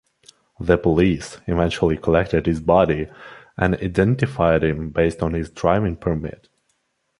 The police eventually collected his body and identified him based on his driving permit.